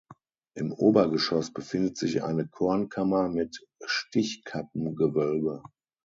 Im Obergeschoß befindet sich eine Kornkammer mit Stichkappengewölbe.